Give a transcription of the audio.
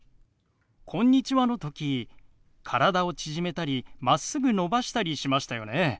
「こんにちは」の時体を縮めたりまっすぐ伸ばしたりしましたよね。